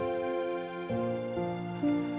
udah ibu tenang aja ya